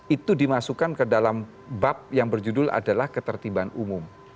itu dimasukkan ke dalam bab yang berjudul adalah ketertiban umum